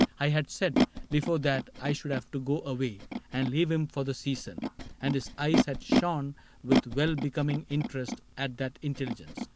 I had said Before that I should have to go away And leave him for the season ; and his eyes Had shone with well becoming interest At that intelligence.